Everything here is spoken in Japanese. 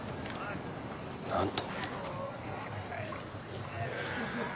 なんと！